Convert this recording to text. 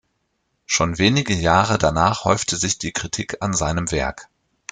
Schon wenige Jahre danach häufte sich die Kritik an seinem Werk.